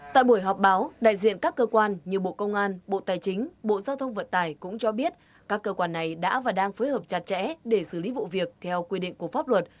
tại buổi họp báo đại diện các cơ quan như bộ công an bộ tài chính bộ giao thông vận tải cũng cho biết các cơ quan này đã và đang phối hợp chặt chẽ để xử lý vụ việc theo quy định của pháp luật